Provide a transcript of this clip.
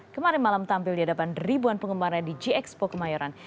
kemarin malam tampil di hadapan ribuan penggemaran di g expo kemayoran